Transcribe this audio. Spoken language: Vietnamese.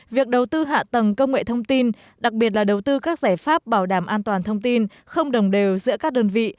việc đầu tư hạ tầng công nghệ thông tin đặc biệt là đầu tư các giải pháp bảo đảm an toàn thông tin không đồng đều giữa các đơn vị